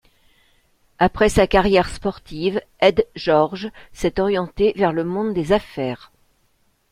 Après sa carrière sportive, Ed George s'est orienté vers le monde des affaires.